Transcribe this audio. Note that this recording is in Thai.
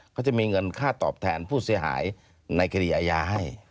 เขาจะมีเงินค่าตอบแทนผู้เสียหายในคดีอาญาให้